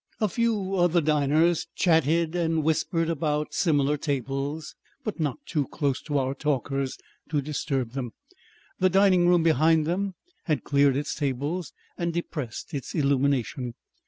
A few other diners chatted and whispered about similar tables but not too close to our talkers to disturb them; the dining room behind them had cleared its tables and depressed its illumination.